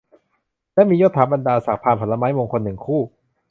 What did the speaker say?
และมียศถาบรรดาศักดิ์ พานผลไม้มงคล หนึ่ง คู่